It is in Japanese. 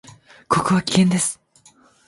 ここは危険です。